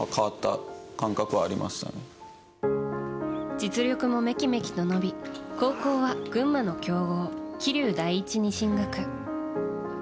実力もめきめきと伸び高校は、群馬の強豪桐生第一に進学。